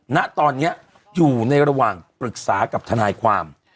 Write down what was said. ณตอนนี้อยู่ในระหว่างปรึกษากับทนายความ